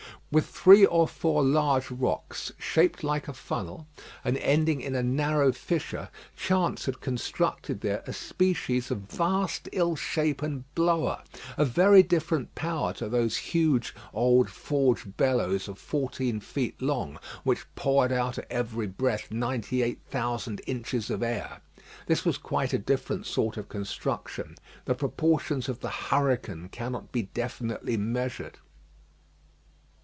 With three or four large rocks, shaped like a funnel, and ending in a narrow fissure, chance had constructed there a species of vast ill shapen blower, of very different power to those huge old forge bellows of fourteen feet long, which poured out at every breath ninety eight thousand inches of air. This was quite a different sort of construction. The proportions of the hurricane cannot be definitely measured.